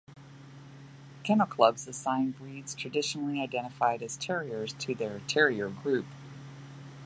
Kennel clubs assign breeds traditionally identified as terriers to their "Terrier Group".